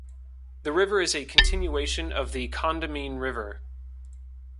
The river is a continuation of the Condamine River.